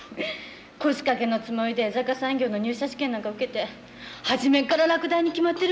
腰掛けのつもりで江坂産業の入社試験なんか受けて初めっから落第に決まってるわよね。